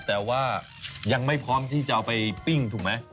แต่ว่ายังไม่พร้อมที่จะเอาไปปิ้งถูกไหม